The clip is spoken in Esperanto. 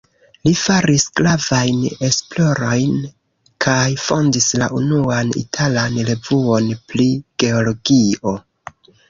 Li faris gravajn esplorojn kaj fondis la unuan italan revuon pri geologio.